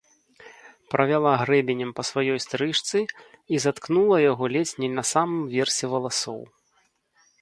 Правяла грэбенем па сваёй стрыжцы і заткнула яго ледзь не на самым версе валасоў.